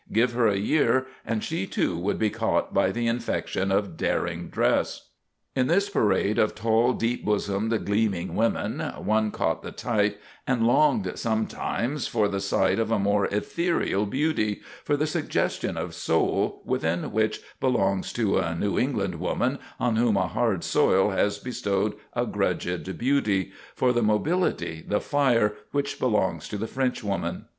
Give her a year, and she, too, would be caught by the infection of daring dress. In this parade of tall, deep bosomed, gleaming women, one caught the type and longed, sometimes for the sight of a more ethereal beauty for the suggestion of soul within which belongs to a New England woman on whom a hard soil has bestowed a grudged beauty for the mobility, the fire, which belongs to the Frenchwoman.